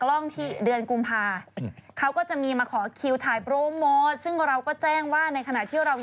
แล้วตอบไหมมาตอบป้าบอลนี่ก็ประสาทเสียนะ